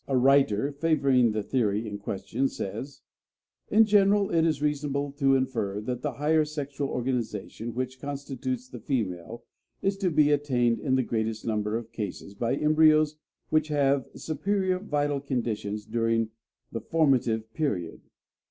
A writer, favoring the theory in question, says: "In general, it is reasonable to infer that the higher sexual organization which constitutes the female is to be attained in the greatest number of cases by embryos which have superior vital conditions during the formative period.